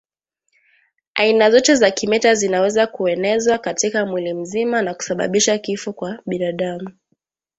Aina zote za kimeta zinaweza kuenezwa katika mwili mzima na kusababisha kifo kwa binadamu